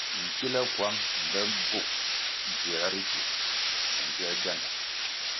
Nkile kuang mbe bvug dzier ritu me nzier gianda.